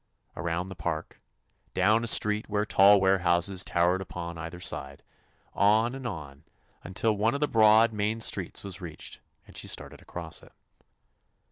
Around the park, down a street where tall warehouses tow ered upon either side, on and on until one of the broad, main streets was reached and she started across it.